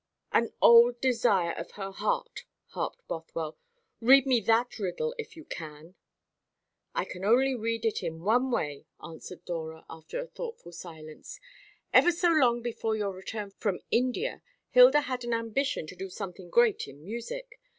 "An old desire of her heart," harped Bothwell; "read me that riddle if you can." "I can only read it in one way," answered Dora, after a thoughtful silence. "Ever so long before your return from India, Hilda had an ambition to do something great in music.